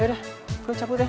yaudah gue caput deh